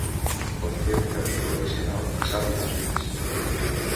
Conté un capítol addicional, "Happy Families".